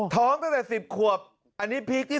ตั้งแต่๑๐ขวบอันนี้พีคที่๒